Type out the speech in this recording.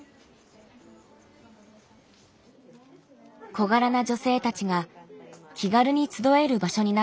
小柄な女性たちが気軽に集える場所になっています。